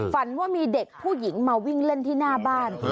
ฝันว่ามีเด็กผู้หญิงมาวิ่งเล่นที่หน้าบ้าน